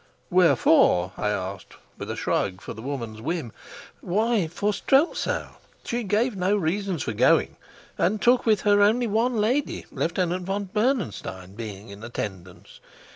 "Where for?" I asked, with a shrug for the woman's whim. "Why, for Strelsau. She gave no reasons for going, and took with her only one lady, Lieutenant von Bernenstein being in attendance.